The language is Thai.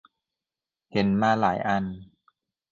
เห็นมาหลายอัน